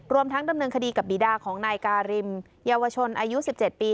ทั้งดำเนินคดีกับบีดาของนายการิมเยาวชนอายุ๑๗ปี